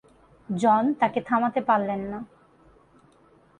জন তাকে থামাতে পারলেন না।